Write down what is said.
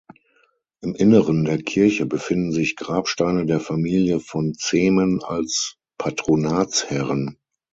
Im Inneren der Kirche befinden sich Grabsteine der Familie von Zehmen als Patronatsherren.